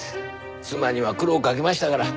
妻には苦労かけましたから。